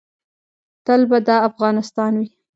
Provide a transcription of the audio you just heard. تل به دا افغانستان وي